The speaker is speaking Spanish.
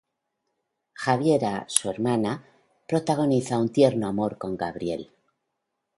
Javiera, su hermana, protagoniza un tierno amor con Gabriel.